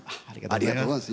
ありがとうございます。